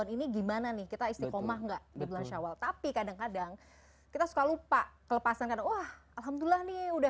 pemirsa jangan kemana mana